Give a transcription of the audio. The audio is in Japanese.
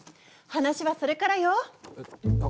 話はそれからよ！